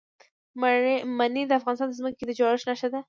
منی د افغانستان د ځمکې د جوړښت نښه ده.